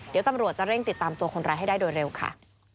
เดี๋ยวตำรวจจะเร่งติดตามตัวคนร้ายให้ได้โดยเร็วค่ะ